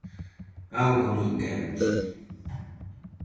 Auga moi quente.